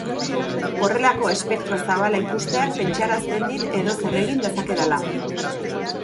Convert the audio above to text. Horrelako espektro zabala ikusteak pentsarazten dit edozer egin dezakedala.